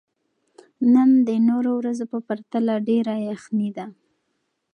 نن د نورو ورځو په پرتله ډېره یخني ده.